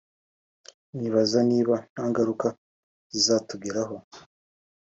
ndibaza niba nta ngaruka zizatugeraho